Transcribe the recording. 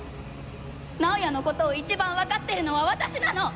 直哉の事を一番わかってるのは私なの！